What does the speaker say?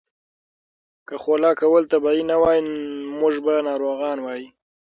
که خوله کول طبیعي نه وای، موږ به ناروغ وای.